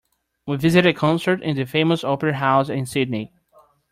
We visited a concert in the famous opera house in Sydney.